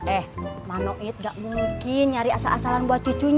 eh manoid gak mungkin nyari asal asalan buat cucunya